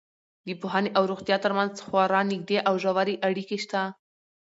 د پوهنې او روغتیا تر منځ خورا نږدې او ژورې اړیکې شته.